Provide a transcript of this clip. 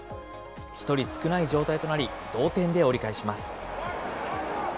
１人少ない状態となり、同点で折り返します。